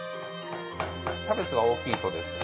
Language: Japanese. キャベツが大きいとですね